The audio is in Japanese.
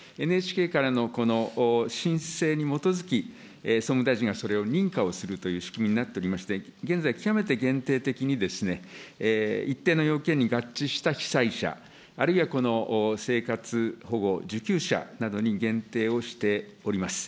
ＮＨＫからのこの申請に基づき、総務大臣がそれを認可をするという仕組みになっておりまして、現在、極めて限定的にですね、一定の要件に合致した、あるいは生活保護受給者などに限定をしております。